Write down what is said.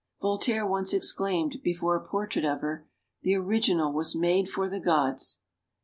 Voltaire once exclaimed, before a portrait of her: "The original was made for the gods!"